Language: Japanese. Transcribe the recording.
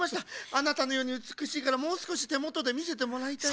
あなたのようにうつくしいからもうすこしてもとでみせてもらいたい。